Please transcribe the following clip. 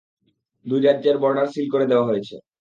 দুই রাজ্যের border seal করে দেয়া হয়েছে।